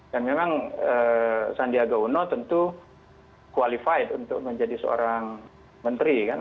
dan memang sandiaga uno tentu qualified untuk menjadi seorang menteri kan